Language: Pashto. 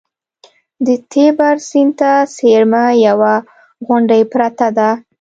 د تیبر سیند ته څېرمه یوه غونډۍ پرته ده